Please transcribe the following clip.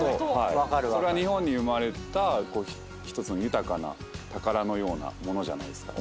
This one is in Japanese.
それは日本に生まれた１つの豊かな宝のようなものじゃないですか